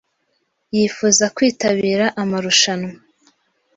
Yifuza kwitabira amarushanwa.